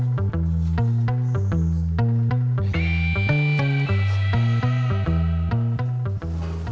gak ada apa apa